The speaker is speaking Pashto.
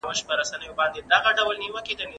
که په تعلیم کې کیفیت وي نو ټولنه مخ ته ځي.